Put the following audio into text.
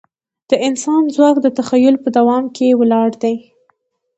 د انسان ځواک د تخیل په دوام ولاړ دی.